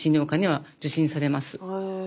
へえ。